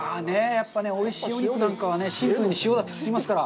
やっぱりおいしいお肉なんかはシンプルに塩だと聞きますから。